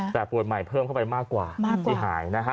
แต่ป่วยใหม่เพิ่มเข้าไปมากกว่าที่หายนะฮะ